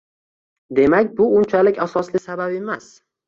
Demak, bu unchalik asosli sabab emas